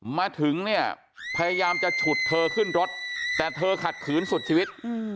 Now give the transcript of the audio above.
มาถึงเนี่ยพยายามจะฉุดเธอขึ้นรถแต่เธอขัดขืนสุดชีวิต